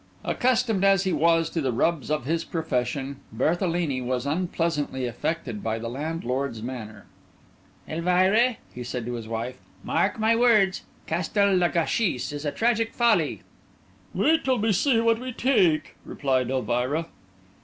Accustomed as he was to the rubs of his profession, Berthelini was unpleasantly affected by the landlord's manner. "Elvira," said he to his wife, "mark my words: Castel le Gâchis is a tragic folly." "Wait till we see what we take," replied Elvira.